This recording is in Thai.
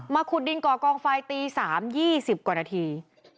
ขุดดินก่อกองไฟตี๓๒๐กว่านาที